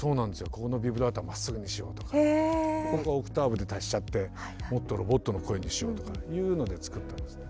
「ここのビブラートはまっすぐにしよう」とか「ここはオクターブで足しちゃってもっとロボットの声にしよう」とかっていうので作ったんですね。